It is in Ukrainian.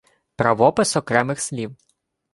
Правопис окремих слів